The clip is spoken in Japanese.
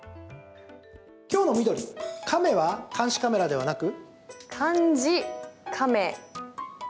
今日の緑、亀は監視カメラではなく？